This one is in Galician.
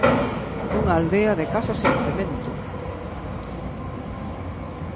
Nunha aldea de casas sen cemento.